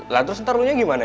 lah terus ntar lo nya gimana